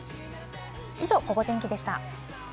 以上、ゴゴ天気でした。